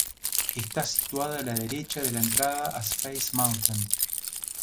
Está situado a la derecha de la entrada a Space Mountain.